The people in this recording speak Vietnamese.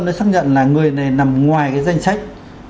nó xác nhận là người này nằm ngoài cái danh sách